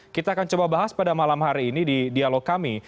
kita akan coba bahas pada malam hari ini di dialog kami